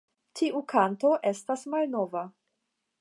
Tiu kanto estas malnova.